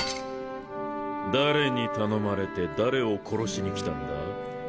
誰に頼まれて誰を殺しに来たんだ？